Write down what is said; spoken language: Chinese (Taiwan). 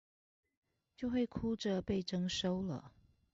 就會哭著被徵收了